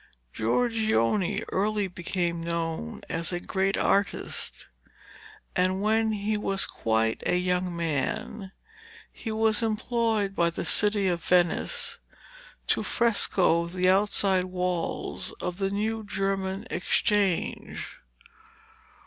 Giorgione early became known as a great artist, and when he was quite a young man he was employed by the city of Venice to fresco the outside walls of the new German Exchange.